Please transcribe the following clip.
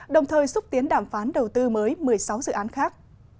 đồng thời xúc tiến đàm phán đầu tư mới một mươi sáu dự án khác